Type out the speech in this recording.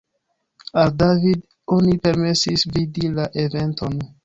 Al David oni permesis vidi la eventon.